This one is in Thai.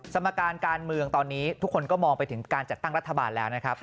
สมการการเมืองตอนนี้ทุกคนก็มองไปถึงการจัดตั้งรัฐบาลแล้วนะครับ